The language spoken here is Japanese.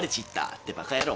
ってバカ野郎。